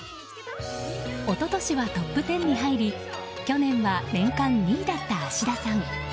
一昨年はトップ１０に入り去年は年間２位だった芦田さん。